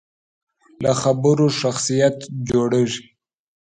له خبرو شخصیت جوړېږي.